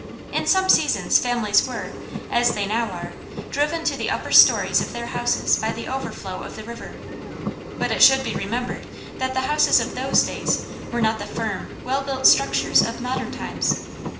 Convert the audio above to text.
In some seasons families were, as they now are, driven to the upper stories of their houses by the overflow of the river. But it should be remembered that the houses of those days were not the firm, well built structures of modern times.